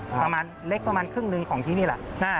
ประมาณเล็กประมาณครึ่งหนึ่งของที่นี่แหละ